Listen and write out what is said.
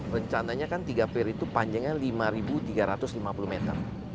rencananya kan tiga per itu panjangnya lima tiga ratus lima puluh meter